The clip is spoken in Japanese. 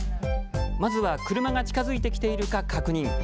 まずは車が近づいてきているか確認。